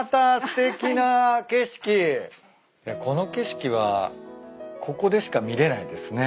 この景色はここでしか見れないですね。